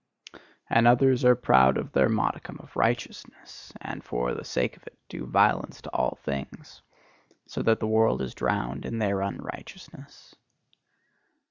And others are proud of their modicum of righteousness, and for the sake of it do violence to all things: so that the world is drowned in their unrighteousness.